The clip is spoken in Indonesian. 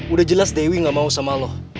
udah jelas dewi gak mau sama loh